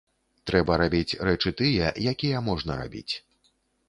Трэба рабіць рэчы тыя, якія можна рабіць.